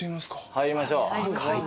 入りましょう。